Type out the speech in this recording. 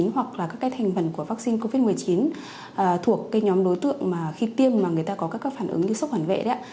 hoặc là các thành phần của vaccine covid một mươi chín thuộc nhóm đối tượng khi tiêm mà người ta có các phản ứng như sốc hẳn vệ